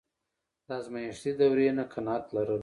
د ازمایښتي دورې نه قناعت لرل.